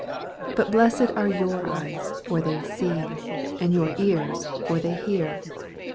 16 But blessed are your eyes, for they see : and your ears, for they hear.